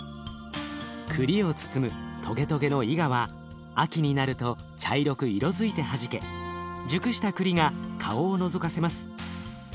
くりを包むトゲトゲのいがは秋になると茶色く色づいてはじけ熟したくりが顔をのぞかせます。